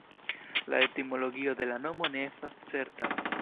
La etimologio de la nomo ne estas certa.